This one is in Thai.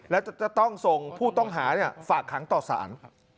และจะต้องส่งผู้ต้องหาฝากขังต่อสาร